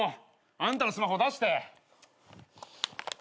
あんたのスマホ出して。